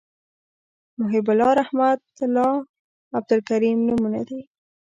محیب الله رحمت الله عبدالکریم نومونه دي